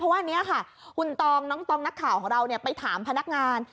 ว่าอันนี้ค่ะคุณตองน้องตองนักข่าวของเราไปถามพนักงาน